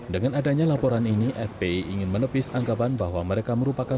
dengan adanya laporan ini fpi ingin menepis anggapan bahwa mereka merupakan